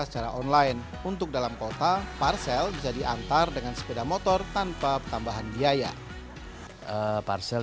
secara online untuk dalam kota parsel bisa diantar dengan sepeda motor tanpa pertambahan biaya parsel